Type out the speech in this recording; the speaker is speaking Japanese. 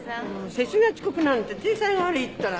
施主が遅刻なんて体裁が悪いったら。